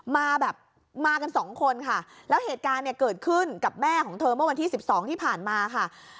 มาแบบมากันสองคนค่ะแล้วเหตุการณ์เนี่ยเกิดขึ้นกับแม่ของเธอเมื่อวันที่๑๒ที่ผ่านมาค่ะ